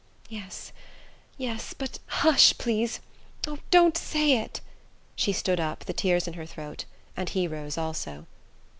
"Yes... yes... but hush, please! Oh, don't say it!" She stood up, the tears in her throat, and he rose also.